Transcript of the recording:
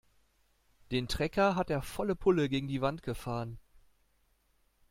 Den Trecker hat er volle Pulle gegen die Wand gefahren.